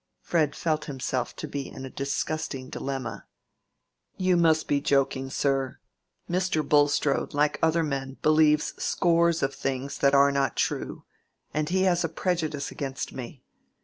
Fred felt himself to be in a disgusting dilemma. "You must be joking, sir. Mr. Bulstrode, like other men, believes scores of things that are not true, and he has a prejudice against me.